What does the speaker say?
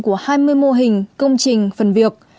của hai mươi mô hình công trình phần việc